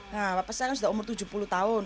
nah bapak saya kan sudah umur tujuh puluh tahun